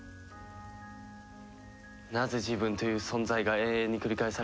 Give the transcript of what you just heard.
なぜ自分という存在が永遠に繰り返されるのか。